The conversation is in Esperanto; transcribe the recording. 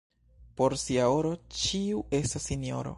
Por sia oro ĉiu estas sinjoro.